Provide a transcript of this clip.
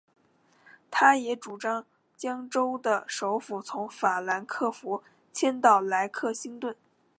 他也主张将州的首府从法兰克福迁到莱克星顿。